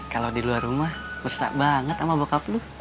kalau di luar rumah besar banget sama bokap lu